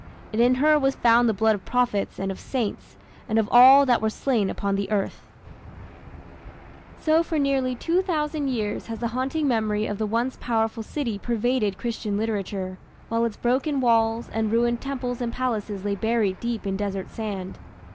And in her was found the blood of prophets, and of saints, And of all that were slain upon the earth. So for nearly two thousand years has the haunting memory of the once powerful city pervaded Christian literature, while its broken walls and ruined temples and palaces lay buried deep in desert sand.